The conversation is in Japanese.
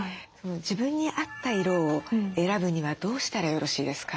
自分に合った色を選ぶにはどうしたらよろしいですか？